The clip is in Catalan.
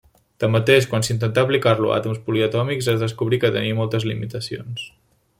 Tanmateix, quan s'intentà aplicar-lo a àtoms poliatòmics es descobrí que tenia moltes limitacions.